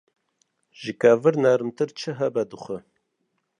Ji kevir nermtir çi hebe dixwe.